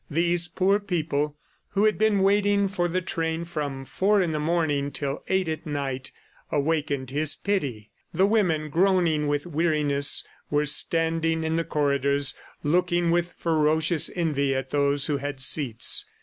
These poor people who had been waiting for the train from four in the morning till eight at night, awakened his pity. The women, groaning with weariness, were standing in the corridors, looking with ferocious envy at those who had seats.